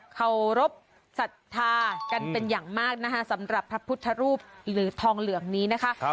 เคารพสัทธากันเป็นอย่างมากนะคะสำหรับพระพุทธรูปหรือทองเหลืองนี้นะคะ